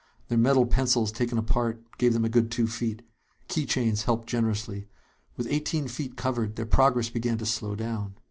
Their metal pencils, taken apart, gave them a good two feet. Key chains helped generously. With eighteen feet covered, their progress began to slow down.